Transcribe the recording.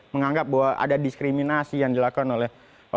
menganggap bahwa ada diskriminasi yang dilakukan oleh